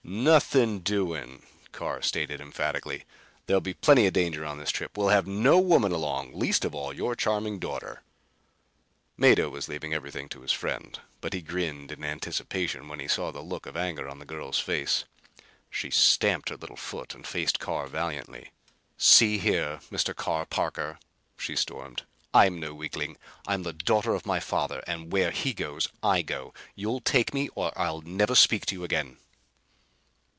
"Nothing doing!" Carr stated emphatically. "There'll be plenty of danger on this trip. Well have no woman along least of all your charming daughter." Mado was leaving everything to his friend, but he grinned in anticipation when he saw the look of anger on the girl's face. She stamped her little foot and faced Carr valiantly. "See here, Mr. Carr Parker!" she stormed. "I'm no weakling. I'm the daughter of my father and where he goes I go. You'll take me or I'll never speak to you again."